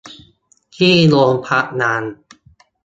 ที่โดนพักงาน